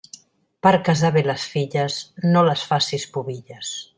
Per casar bé les filles, no les faces pubilles.